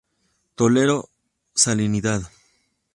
Tolera salinidad.